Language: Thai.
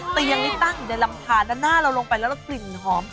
เตียงนี้ตั้งอยู่ในลำทานด้านหน้าเราลงไปแล้วเรากลิ่นหอม